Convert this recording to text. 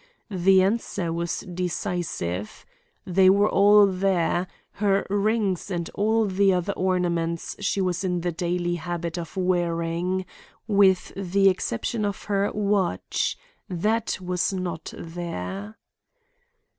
The answer was decisive. They were all there, her rings and all the other ornaments she was in the daily habit of wearing, with the exception of her watch. That was not there.